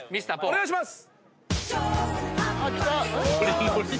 お願いします！